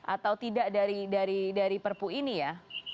atau tidak dari perpu ini ya